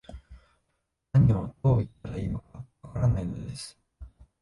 何を、どう言ったらいいのか、わからないのです